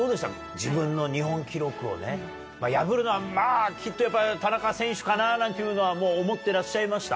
自分の日本記録をね破るのはきっと田中選手かななんていうのはもう思ってらっしゃいました？